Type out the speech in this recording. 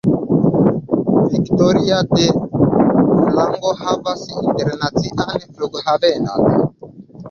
Victoria de Durango havas internacian flughavenon.